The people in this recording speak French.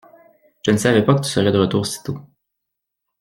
Je ne savais pas que tu serais de retour si tôt.